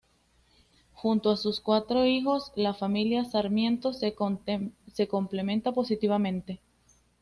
Junto a sus cuatro hijos, la familia Sarmiento se complementa positivamente.